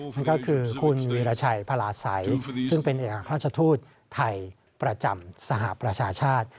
นั่นก็คือคุณวีรชัยพลาสัยซึ่งเป็นเอกราชทูตไทยประจำสหประชาชาติ